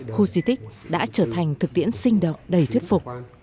khu di tích đã trở thành thực tiễn sinh động đầy thuyết phục